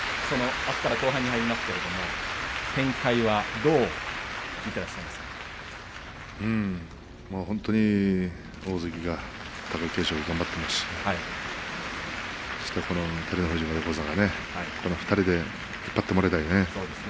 あすからの後半戦に入りますけども展開はどう大関貴景勝が頑張っていますし照ノ富士横綱が、この２人で引っ張ってもらいたいね。